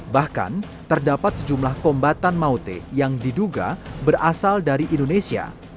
bahkan terdapat sejumlah kombatan maute yang diduga berasal dari indonesia